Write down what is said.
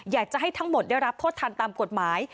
อยากจะให้ทั้งหมดได้รับโทษทันตามกฎหมาย